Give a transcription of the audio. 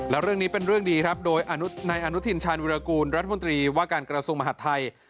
และเรื่องนี้เป็นเรื่องดีนะครับในอนุทิรธิชาณีวิรากูลรัฐมนตรีวาการกระทรวงมหาธัย